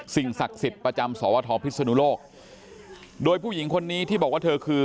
ศักดิ์สิทธิ์ประจำสวทพิศนุโลกโดยผู้หญิงคนนี้ที่บอกว่าเธอคือ